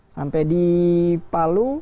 sampai di palu